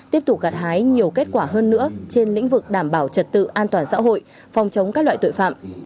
tiếp tục gạt hái nhiều kết quả hơn nữa trên lĩnh vực đảm bảo trật tự an toàn xã hội phòng chống các loại tội phạm